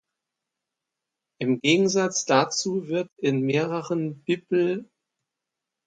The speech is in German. Im Gegensatz dazu wird in mehreren bibl.